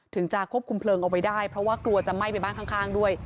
จะควบคุมเพลิงเอาไว้ได้เพราะว่ากลัวจะไหม้ไปบ้านข้างด้วย